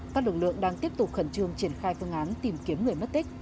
các lực lượng đang tiếp tục khẩn trương triển khai phương án tìm kiếm người mất tích